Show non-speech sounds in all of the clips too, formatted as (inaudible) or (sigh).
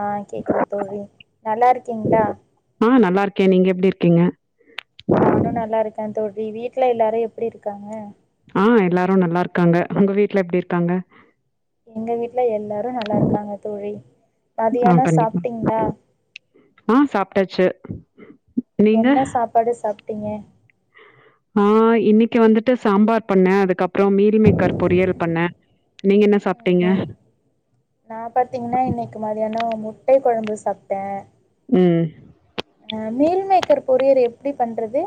ஆஹ் கேக்குது தோழி நல்லாருக்கீங்களா ஆஹ் நல்லா இருக்கே நீங்க எப்டி இருக்கீங்க நானு நல்லா இருக்கே தோழி வீட்ல எல்லாரு எப்டி இருக்காங்க ஆஹ் எல்லாரு நல்லா இருக்காங்க உங்க வீட்டுல எப்டி இருக்காங்க எங்க வீட்டுல எல்லாரு நல்லா இருக்காங்க தோழி ஆஹ் மதியானோ கண்டிப்பா சாப்ட்டீங்களா ஆஹ் சாப்ட்டாச்சு நீங்க? என்ன சாப்பாடு சாப்ட்டீங்க ஆஹ் இன்னைக்கு வந்துட்டு சாம்பார் பண்ணே அதுக்கப்புறோ மீனு மேக்கர் பொரியல் பண்ணே உம் ஹும் நா பாத்தீங்கன்னா இன்னைக்கு மதியானோ முட்ட குழம்பு சாப்ட்டே உம் மீன் மேக்கர் பொறியல் எப்டி பண்றது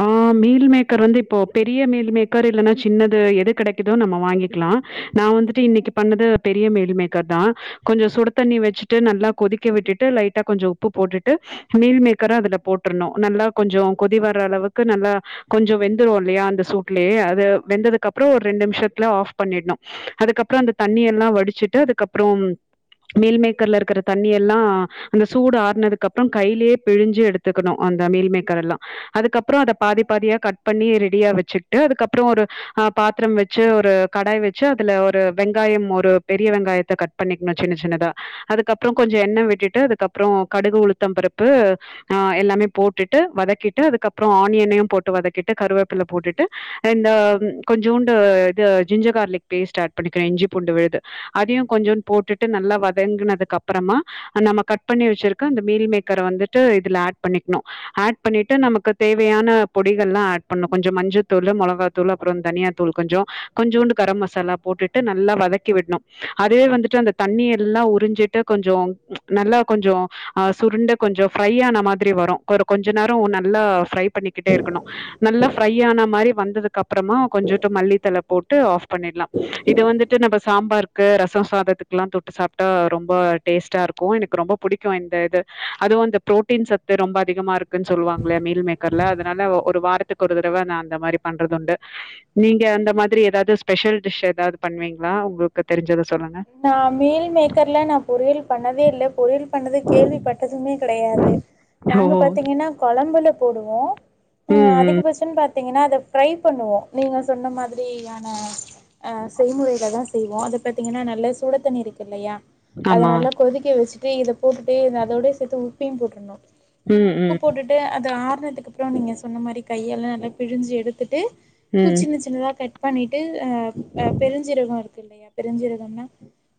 ஆ மீல் மேக்கர் வந்து இப்போ பெரிய மீல் மேக்கர் இல்லன்னா சின்னது எது கெடைக்குதோ நம்ம வாங்கிக்கலா நா வந்துட்டு இன்னைக்கு பண்ணது பெரிய மீல் மேக்கர் தா கொஞ்சோ சுடு தண்ணி வச்சிட்டு நல்லா கொதிக் க விட்டுட்டு லைட்டா கொஞ்சோ உப்பு போட்டுட்டு மீல் மேக்கரு அதுல போட்ரணு நல்லா கொஞ்சோ கொதி வர்ற அளவுக்கு நல்லா கொஞ்சோ வெந்துரு இல்லையா அந்த சூ ட்லயே அது வெந்ததுக்கு அப்புறோ ஒரு ரெண்டு நிமிஷத்துல ஆஃப் பண்ணிடணு அதுக்கப்றோ அந்த தண்ணி எல்லா வடிச்சுட்டு அதுக்கப்றோ மீல் மேக்கர்ல இருக்குற தண்ணி எல்லா அந்த சூடு ஆறுனதுக்கப்போ கையிலேயே பிழிஞ்சு எடுத்துக்கணு அந்த மீல் மேக் கரெல்லா அதுக்கப்றோ அத பாதி பாதியா கட் பண்ணி ரெடியா வச்சுட்டு அதுக்கப்றோ ஒரு ஆ பாத்திரம் வச்சு ஒரு கடாய் வச்சு அதுல ஒரு வெங்காயம் ஒரு பெரிய வெங்காயத்த கட் பண்ணிக்கணு சின்ன சின்னதா அதுக்கப்றோ கொஞ்சோ எண்ண விட்டுட்டு அதுக்கப்றோ கடுகு உளுத்தம் பருப்பு ஆ எல்லாமே போட்டுட் டு வதக்கிட்டு அதுக்கப்புறோ ஆனியனையு போட்டு வதக்கிட்டு கருவேப்பில போட்டுட்டு இந்த கொஞ்சோண்டு இது ஜிஞ்சர் கார்லிக் பேஸ்ட் ஆட் பண்ணிக்கனு இஞ்சி பூண்டு விழுது அதையும் கொஞ்சோனு போட்டுட்டு நல்லா வதங்குனதுக்கு அப்புறமா நம்ம கட் பண்ணி வச்சிருக்க அந்த மீல் மேக்கர வந்துட்டு இதுல ஆட் பண்ணிக்கணு ஆட் பண்ணிட்டு நமக்கு தேவையான பொடிகள்லா ஆட் பண்ணு கொஞ்சோ மஞ்சத்தூளு மொளகாத் தூளு அப்புறோ தனியா தூள் கொஞ்சோ கொஞ்சோண்டு கர மசாலா போட்டுட்டு நல்லா வதக்கி விடணு அதயே வந்துட்டு அந்த தண்ணி எல்லா உறிஞ்சிட்டு கொஞ்சோ நல்லா கொஞ்சோ ஆ சுருண்டு கொஞ்சோ ஃப்ரை ஆன மாதிரி வரு கொஞ்ச நேரோ நல்லா ஃப்ரை பண்ணிக்கிட்டே இருக்கணு நல்லா ஃப்ரை ஆன மாதிரி வந்ததுக்கு அப் புறமா கொஞ்சோட்டு மல்லித்தளை போட்டு ஆஃப் பண்ணிடலா இது வந்துட்டு நம்ம சாம்பார் க்கு ரசோ சாதத்துக்குலா தொட்டு சாப்ட்டா ரொம்ப டேஸ்ட்டா இருக்கு எனக்கு ரொம்ப புடிக்கு இந்த இது அதுவு அந்த ப்ரோட்டீன் சத்து ரொம்ப அதிகமாக இருக்கு ன்னு சொல்லுவாங்கள்லயா மீல் மேக்கர்ல அதனால ஒரு வாரத்துக்கு ஒரு தடவ நா அந்த மாரி பண்றது உண்டு நீங்க அந்த மாதிரி எதாவது ஸ்பெஷல் டிஷ் எதாவது பண்ணுவீங்களா உங்களு க்கு தெரிஞ்சத சொல்லுங்க ஆ மீல் மேக்கர்லா நா பொறியல் பண்ணதே இல்ல பண்ணது கேள்விப்பட்டதுமே கெடையாது ஓ நாங்க பாத்தீங்கன்னா கொழம்புல போடுவோ அ ம் ம் அதிகபட்சோ பாத்தீங்கன்னா அத ஃரை பண்ணுவோ நீங்க சொன்ன மாதிரியான ஆ செய்முறைல தா செய்வோ அத பாத் தீங்கன்னா நல்ல சூடத்தண்ணி இருக்குல்லையா அத ஆமா நல்லா கொதிக்க வச்சுட்டு இதுல போட்டுட்டு அதோட சேத்து உப்பும் போட்ரணு ஆ ம் உப்பு ம் போட்டுட்டு அது ஆறுனதுக்கு அப்புறோ நீங்க சொன்ன மாரி கையாலா நல்லா பிழிஞ்சு எடுத்துட்டு ம் சின்ன சின்னதா கட் பண்ணிட்டு அ பெருஞ்சீரகோ இருக்குல்லையா பெருஞ்சீரகம்னா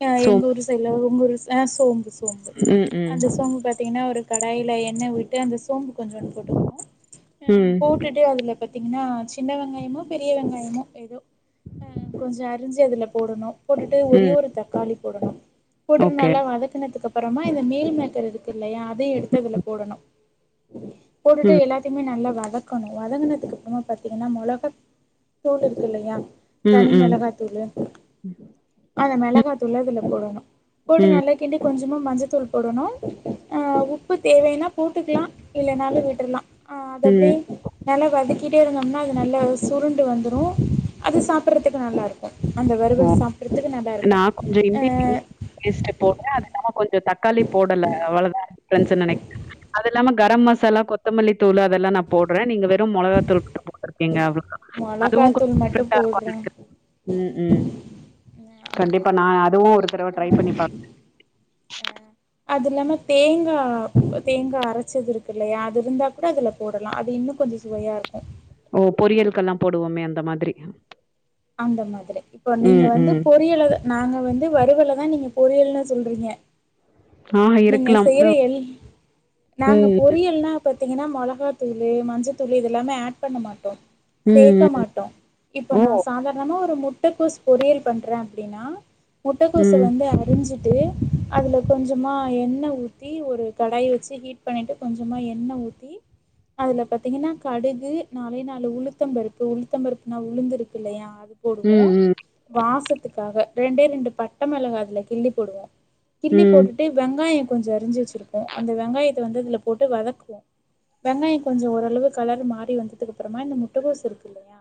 ஆ சோ எங்க ஊர்ல சைட்ல உங்க ஊரு ஆ சோம்பு சோம்பு ம் ம் அந்த சோம்பு பாத்தீங்கன்னா ஒரு கடாய்ல எண்ண விட்டு அந்த சோம்பு கொஞ்சோனு போட்டுக்கணு ம் போட்டுட்டு அதுல பாத்தீங்கன்னா சின்ன வெங்காயமோ பெரிய வெங்காயமோ எதோ கொஞ்சோ அரிஞ்சு அதுல போடணு போட்டுட்டு ஒரே ம் ஒரு தக்காளி போடணு போட்டுட்டு ஓகே நல்லா வதக்குனதுக்கு அப் புறமா இந்த மீல் மேக்கர் இருக்குல்லையா அதையு எடுத்து அதுல போடணு போட்டுட்டு ம் எல்லாத் துமே நல்லா வதக்கணு வதங்குனதுக்கு அப்புறமா பாத்தீங்கன்னா மெளகாத்தூள் இருக்குல்லையா ம் ம் தனி ம் மெளகாத்தூளு அந்த ம் மெளகாத்தூள இதுல போடணு போட்டு ம் நல்லா கிண்டி கொஞ்சமா மஞ்சத்தூள் போடணு உப்பு தேவைனா போட்டுக்கலா இல்லனாலு விட்டுர்லா ஆ அதெப்டி ம். நல்லா வதக்கிட்டே இருந்தோம்னா அது நல்லா சுருண்டு வந்துரும் அது சாப்புட்றதுக்கு நல்லா இருக்கு அந்த வறுவல் சாப்புட்றதுக்கு நல்லா நா கொஞ்ச இன்பிட்வின் ஈஸ்டு போட்டு அது இல்லாம கொஞ்சம் தக்காளி போடல அவ்வளதா நெனக்கிறே அது இல்லாம கரம் மசாலா கொத்தமல்லி தூளு அதெல்லா நா போட்றே நீங்க வெறும் மொளகா தூள் போட் (inaudible) கீங்க அவ்ள (inaudible) அதுவும் கொஞ் மொளகாத்தூள் மட்டு போடுறே (inaudible) உம் உம் ஆமா கண்டிப்பா நா அதுவு ஒரு தடவ ட்ரை பண்ணி பா அதில்லாம தேங்கா தேங்கா அரைச்சதிருக்கில்லையா அதிருந்தா கூட இதுல போடலா அது இன்னு கொஞ்ச சுவையா ருக்கு ஓ பொரியல்கெல்லாம் போடுவோமே அந்த மாதிரி அந்த மாதிரி இப்போ நீங்க ம், வந்து ம். பொரியலதா நாங்க வந்து வருவலதா நீங்க பொரியல்னு சொல்றீங்க ஆ நீங்க இருக்கலாம். செய்ற எல் நாங்க ம், பொரியல்னா பாத்தீங்னா மொளகா தூளு மஞ்ச தூளு இது எல்லாமே ஆட் பண்ண மாட்டோ ம், சேக்க ம். மாட்டோ இப்ப ஓ! நா சாதார்ணமா ஒரு முட்டகோஸ் பொரியல் பண்றே அப்டின்னா முட்டக்கோஸ்ஸ ம், வந்து அரிஞ்சிட்டு அதுல கொஞ்சமா எண்ணெ ஊத்தி ஒரு கடாய வச்சு ஹீட் பண்ணிட்டு கொஞ்சமா எண்ண ஊத்தி அதுல பாத்தீங்கன்னா கடுகு நாலே நாலு உளுத்தம்பருப்பு உளுத்தம்பருப்புன்னா உளுந்துருக்கில்லையா அது போடுவோ ம், ம், வாசத்துக்காக ரெண்டே ரெண்டு பட்ட மெளகா அதுல கிள்ளி போடுவோ கிள்ளி ம், போட்டுட்டு வெங்காய கொஞ்ச அரிஞ்சு வச்சிருப்போ அந்த வெங்காயத்த வந்து இதுல போட்டு வதக்குவோ வெங்காய கொஞ்ச ஓரளவு கலர் மாறி வந்ததுக்கப்பறமா இந்த முட்டக்கோஸ் இருக்கில்லையா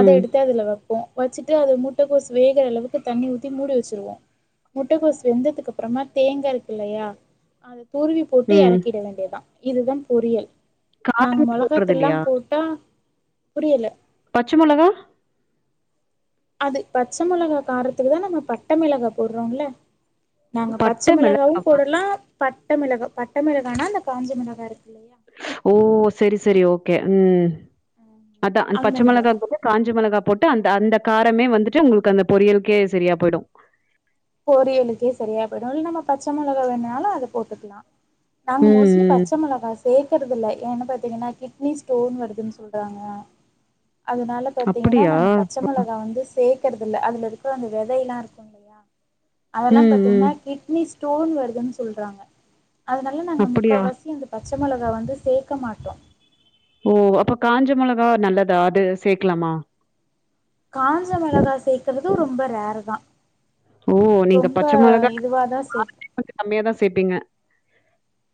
அத எடுத்து அதுல வப்போ வச்சுட்டு அது முட்டைக்கோஸ் வேகுற அளவுக்கு தண்ணி ஊத்தி மூடி வச்சிருவோ முட்டைக்கோஸ் வெந்ததுக்கப்பறமா தேங்கா இருக் க்கில்லையா அத துருவி போட்டு ம். எறக்கிட வேண்டியதா இதுதா பொரியல் நாங்க காரமே மொளகா போடுறது இல்லையா? தூள்லாம் போட்டா புரியல பச்ச மொளகா அது பச்ச மொளகா காரத்துக்கு தா நம்ம பட்ட மிளகா போடுறோம்ல நாங்க பச்ச பட்ட மிளகா. மிளகாவும் போடலா பட்ட மிளகா பட்ட மிளகானா அந்த காஞ்ச மிளகா இருக்கில்லையா ஓ செரி செரி ஓகே உம் அதா அந்த பச்ச மொளகா போட்டு காஞ்ச மிளகா போட்டு அந்த அந்த காரமே வந்துட்டு உங்களுக்கு அந்த பொரியலுக்கே சரியா போய்டு பொரியலுக்கே சரியா போயிடு இல்ல நம்ம பச்ச மொளகா வேணும்னாலு அத போட்டுக்கலா நாங்க ம், மோஸ்ட்லி ம். பச்ச மொளகா சேக்கறதில்ல ஏன்னு பாத்தீங்கன்னா கிட்னி ஸ்டோன் வருதுன்னு சொல்றாங்க அதனால பாத்தீங்கன்னா அப்படியா? நாங்க பச்ச மொளகா வந்து சேர்க்கறதில்ல அதுல ருக்க அந்த விதையெல்லா ருக்கு அதெல்லா ம், பாத்தீங்ன்னா ம். கிட்னி ஸ்டோன் வருதுன்னு சொல்றாங்க அதனால நாங்க அப்படியா? முக்காவாசி அந்த பச்ச மொளகா வந்து சேக்க மாட்டோ ஓ அப்ப காஞ்ச மொளகா நல்லதா அது சேக்கலாமா காஞ்ச மொளகா சேக்கறது ரொம்ப ரேர் தா ஓ நீங்க ரொம்ப பச்ச மொளகா (inaudible) இதுவாதா சேப்போ காரதுக்கு கம்மியா தா சேப்பீங்க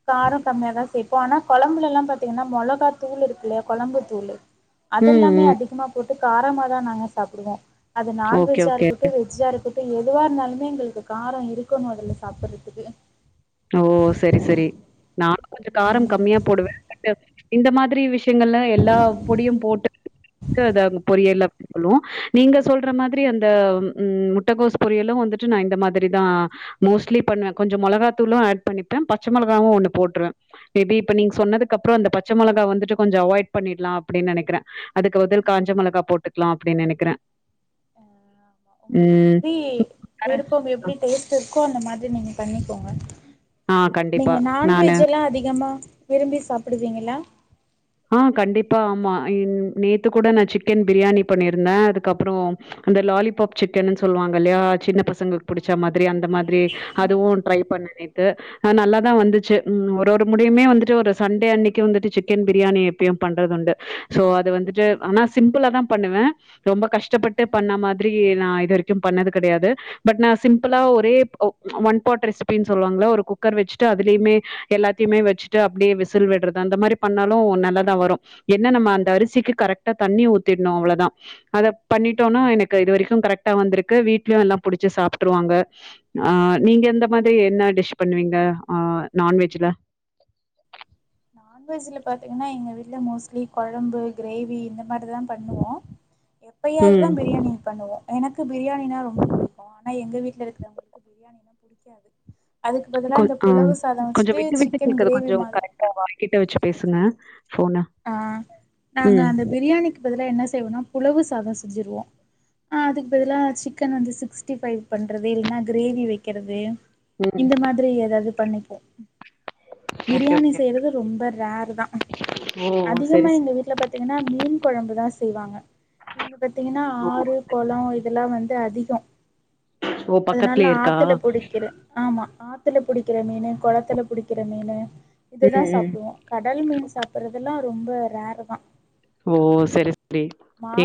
காரம் கம்மியா தா சேப்போ ஆனா கொழம்புலல்லா பாத்தீங்கன்னா மொளகா தூள் இருக்கில்லையா கொழம்பு தூள்ளு ம், அதெல்லாமே ம். அதிகமா போட்டு காரமா தா நாங்க சாப்டுவோ அது ஓகே, நான்வெஜ்ஜா ஓகே. இருக்கட்டு வெஜ்ஜா இருக்கட்டு இப்ப எதுவா இருந்தாலுமே எங்களுக்கு காரம் இருக்கனு அதுல சாப்புட்றதுக்கு ஓ செரி செரி நா கொஞ்ச காரம் கம்மியா போடுவே (inaudible) இந்த மாதிரி விஷயங்கள்லா எல்லா பொடியும் போட்டு (inaudible) அங்க அத பொரியல்ல ளு நீங்க சொல்ற மாத்ரி அந்த உம் முட்டகோஸ் பொரியலு வந்துட்டு நா இந்த மாதிரிதா மோஸ்ட்லி பண்வே கொஞ்ச மொளகா தூளு ஏட் பண்ணிப்பே பச்ச மொளகாவு ஒன்னு போட்ருவே மேபி இப்ப நீங் சொன்னதுக்கப்றோ அந்த பச்ச மொளகா வந்துட்டு கொஞ்ச அவாய்ட் பண்ணீட்லா அப்டின் நெனைக்கறே அதுக்கு பதில் காஞ்ச மொளகா போட்டுக்லா அப்டின் நெனைக்கறே ஆ ஆமா உங்ளுக் எப்டி வேற விருப்பம் எப்டி டேஸ்ட் இருக்கோ அந்த மாதிரி நீங்க பண்ணிக்கோங்க ஆ கண்டிப்பா. நீங்க நானு நான்வெஜ் எல்லா அதிகமா விரும்பி சாப்டுவீங்களா ஆ கண்டிப்பா ஆமா ன் நேத்து கூட நா சிக்கன் பிரியாணி பண்ணியிருந்தே அதுக்கப்பறோ அந்த லாலிபப் சிக்கன்னு சொல்வாங்கல்யா சின்ன பச ங்களுக் புடிச்ச மாதிரி அந்த மாதிரி அதுவு ட்ரை பண்ணே நேத் து அது நல்லாதா வந்துச்சு ம் ஒரு ஒரு முடையுமே வந்துட்டு ஒரு சண்டே அன்னைக்கி வந்துட்டு சிக்கன் பிரியாணி எப்பயு பண்றதுண்டு சோ அது வந்துட்டு ஆனா சிம்பிளா தா பண்ணுவே ரொம்ப கஷ் டப்பட்டு பண்ண மாதிரி நா இது வரைக்கு பண்ணது கெடையாது பட் நா சிம்பிளா ஒரே ப் ஓ ஒன் பாட் ரெசிப் பின் சொல்வாங்கல்ல ஒரு குக்கர் வெச்சுட்டு அதுலைமே எல்லாத்தையுமே வெச்சுட்டு அப்டே விசில் விட்றது அந்த மாரி பண்ணாலு நல்லாதா வரு என்ன நம்ம அந்த அரிசிக்கு கரெக்ட்டா தண்ணி ஊத்திட்ணு அவ்ள தா அத பண்ணிட்டோனா எனக்கு இது வரைக்கு கரெக்ட்டா வந்திருக்கு வீட்லயு எல்லா புடிச்சி சாப்ட்ருவாங்க ஆ நீங்க இந்த மாதிரி என்ன டிஷ் பண்ணுவீங்க ஆ நான்வெஜ்ஜுல நான்வெஜ்ஜுல பாத்தீங்கன்னா எங்க வீட்ல மோஸ்ட்லி கொழம்பு, க்ரேவி இந்த மாரி தா பண்ணுவோ எப்பையாவ்து தா ம் பிரியாணி பண்ணுவோ எனக்கு பிரியாணினா ரொம்ப புடிக்கு ஆனா எங்க வீட்ல இருக்கறவங்களுக்கு பிரியாணினா புடிக்காது அதுக்கு பதிலா கொ இந்த ஆ புலவு சாதோ வச்சிட்டு சிக்கன் க்ரேவி மாதிரி (inaudible) வாய்க்கிட்ட வெச்சு பேசுங்க ஃபோன ஆ நாங்க ம் அந்த பிரியாணிக்கு பதிலா என்ன செய்வோனா புலவு சாதோ செஞ்சிருவோ ஆ அதுக் பதிலா சிக்கன் வந்து சிக்ஸ்ட்டி ஃபைவ் பண்றது இல்லனா க்ரேவி வெக்கறது ம் இந்த மாதிரி எதாவ்து பண்ணிப்போ ஓகே பிரியாணி ஓகே செய்யறது ரொம்ப ரேரு தா ஓ அதிகமா செரி எங்க செரி வீட்ல பாத் தீங்கன்னா மீன் கொழம்பு தா செய்வாங்க இங்க பாத்தீங்கன்னா ஓ ஆறு, சரி, கொளோ சரி. இதெல்லா வந் ட்டு அதிகோ ஓ அதுனால பக்கத்துலயே இருக்கா ஆத்துல புடிக்கிற ஆமா ஆத்துல புடிக்கிற மீனு கொளத்துல புடிக்கிற மீனு இது தா ம் ம் சாப்டுவோ கடல் மீன் சாப்பட்றதெல்லா ரொம்ப ரேரு தா ஓ செரி செரி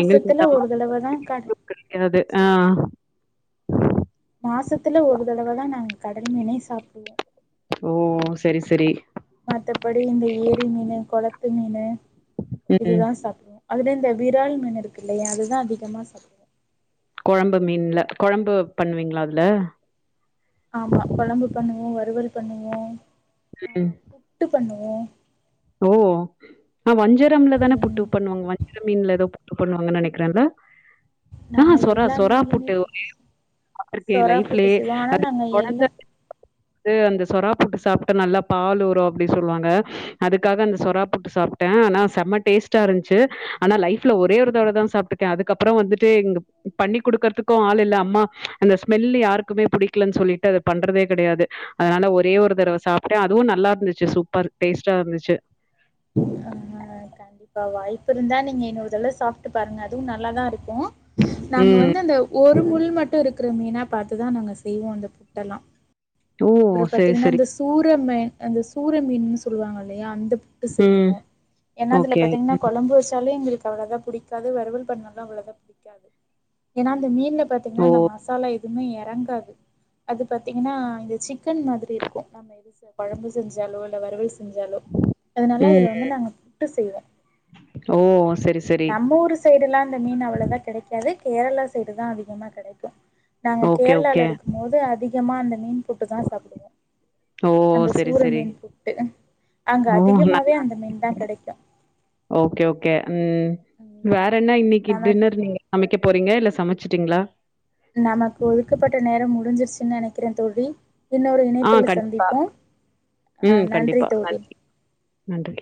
எங்கள்க் இருந்தாலு ஒரு தடவ தா கட (inaudible) கிறது ஆ சொல்லுங்க மாசத்துல ஒரு தடவ தா நாங்க கடல் மீனே சாப்டுவோ ஓ செரி செரி மத்தபடி இந்த ஏரி மீனு கொளத்து மீனு ம். இதுதா சாப்டுவோ அதுலயு இந்த விரால் மீன் இருக்கில்லயா அதுதா அதிகமாக சாப்டு கொழம்பு மீன்ல கொழம்பு பண்வீங்களா அதுல ஆமா கொழம்பு பண்ணுவோ வறுவல் பண்ணுவோ ஆ ம் புட்டு பண்ணுவோ ஓ ஆ வஞ்சரம்ல தான புட்டு ம் பண்ணுவாங்க வஞ்சரம் மீன்ல எதோ புட்டு பண்ணுவாங்கன் நெனைக்கறே இல்ல ஆ நாங்க சொறா எல்லா மீனிலுமே சொறாப்புட்டு புட்டு ஐயயோ செய் பாத்துருக்கே எ சொறா புட்டு லைஃப்லயே செய்வோ ஆனா அது நாங்க கொழந்த எல்லா பெத்த (inaudible) து அந்த சொறாப்புட்டு சாப்ட்டா நல்லா பால் ஊறு அப்டி சொல்வாங்க அதுக்காக அந்த சொறாப்புட்டு சாப்ட்டே ஆனா செம்ம டேஸ்ட் ஸ்ட்டா இருந்துச்சி அனா லைஃப்ல ஒரே ஒரு தடவ தா சாப்ட்ருக்க அதுக்கப்பறோ வந்துட்டு இங்க பண்ணி குடுக்கறதுக்கு ஆள் இல்ல அம்மா அந்த ஸ்மெல்லு யாருக்குமே புடிக்கலன்னு சொல்லிட்டு அத பண்றதே கெடையாது அதனால ஒரே ஒரு தரவ சாப்ட்ட அதுவு நல்லா இருந்துச்சி சூப்பர் டேஸ்ட்டா இருந்துச்சு ஆ கண்டிப்பா வாய்ப்பு இருந்தா நீங்க இன்னொரு தலவ சாப்ட்டு பாருங்க அதுவு நல்லாதா இருக்கு நாங்க ம் வந்து அந்த ஒரு முள் மட்டு இருக்கற மீனா பாத்துதா நாங்க செய்வோ அந்த புட்டல்லா ஓ அப்பறோ செரி பாத்திங்ன்னா செரி அந்த சூர மே அந்த சூர மீனுன் சொல்லுவாங்க இல்லயா அந்த ட்டு ம் செய்வோ ஏன்னா அதுல ஓகே பாத்திங்கன்னா கொழம்பு வச்சாலே எங்களுக்கு அவ்வளவுவா புடிக்காது வறுவல் பண்ணணா அவ்வளவா பிடிக்காது எனா அந்த மீன்ல ஓ பாத்திங்கன்னா அந்த மாச மசால எதுமே எறங்காது அது பாத்திங்கனா இது சிக்கன் மாதிரி இருக்கு கொழம்பு செஞ்சாலோ இல்ல வறுவல் செஞ்சாலே அதனால அதுல ம் வந்து நாங்க புட்டு செய்வே ஓ செரி செரி நம்ம ஊர் சைடெல்லா இந்த மீன் அவ்ளவா கெடைக்காது கேரளா சைடு தா அதிகமா கெடைக்கு நாங்க ஓகே ஓகே கேரளால இருக்கும்போது அதிகமா அந்த மீன் புட்டு தா சாப்புடுவோ ஓ அந்த செரி சூற செரி மீன் புட்டு அங்க ஓ நல் அதிகமாவே அந்த மீன் தா கெடைக்கு ஓகே ஓகே ம் வேற ம் என்ன இன்னிக்கு நமக் டின்னர் நீங்க சமைக்க போறிங்க இல்ல சமச்சிட்டிங்களா நமக்கு ஒதுக்கப்பட்ட நேரம் முடிஞ்சிர்ச்சின்னு நெனைக்கறே தோழி இன்னோரு ஆ இணைப்புல கண்டிப்பா. சந்திப்போ அ ம் நன்றி கண்டிப்பா. தோழி நன்றி, நன்றி